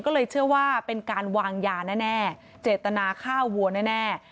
ก็เลยเชื่อว่าเป็นการวางยาแน่เจตนาฆ่าวัวแน่